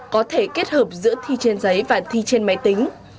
có thể kết hợp giữa thi trên giấy và thi trên máy tính